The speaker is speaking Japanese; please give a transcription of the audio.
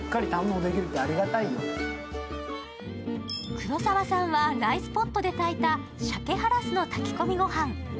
黒沢さんは、ライスポットで炊いたシャケハラスの炊き込みご飯。